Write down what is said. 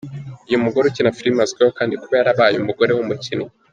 Uyu mugore ukina filimi azwiho kandi kuba yarabaye umugore wumukinnyi.